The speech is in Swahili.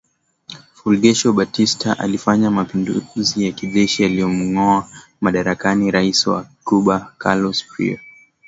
Fulgencio Batista alifanya mapinduzi ya kijeshi yaliyomgoa madarakani rais wa Cuba Carlos Prío